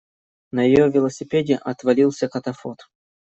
На её велосипеде отвалился катафот.